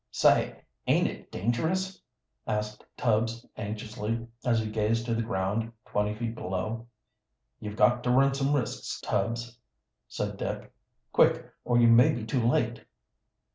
"Say, aint it dangerous?" asked Tubbs anxiously, as he gazed to the ground, twenty feet below. "You've got to run some risks, Tubbs," said Dick. "Quick, or you may be too late."